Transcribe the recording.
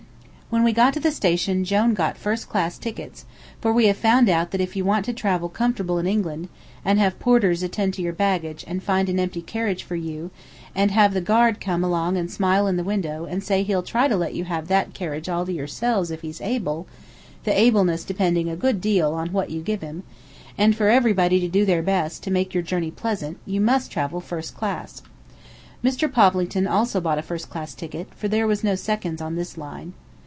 When we got to the station Jone got first class tickets, for we have found out that if you want to travel comfortable in England, and have porters attend to your baggage and find an empty carriage for you, and have the guard come along and smile in the window and say he'll try to let you have that carriage all to yourselves if he's able the ableness depending a good deal on what you give him and for everybody to do their best to make your journey pleasant, you must travel first class. Mr. Poplington also bought a first class ticket, for there was no seconds on this line.